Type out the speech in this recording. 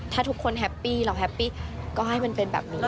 ถ้าทุกคนแฮปปี้เราแฮปปี้ก็ให้มันเป็นแบบนี้